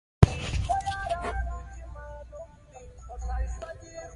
پر پاک خدای توکل وکړئ.